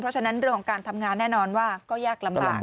เพราะฉะนั้นเรื่องของการทำงานแน่นอนว่าก็ยากลำบาก